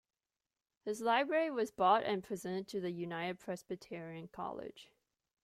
His library was bought and presented to the United Presbyterian College.